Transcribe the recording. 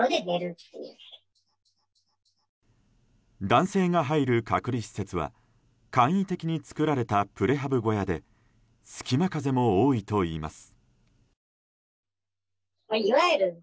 男性が入る隔離施設は簡易的に作られたプレハブ小屋で隙間風も多いといいます。